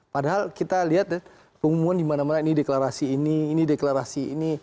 padahal kita lihat ya pengumuman dimana mana ini deklarasi ini ini deklarasi ini